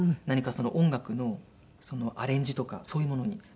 何か音楽のアレンジとかそういうものに。